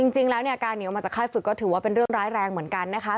จริงแล้วเนี่ยการหนีออกมาจากค่ายฝึกก็ถือว่าเป็นเรื่องร้ายแรงเหมือนกันนะคะ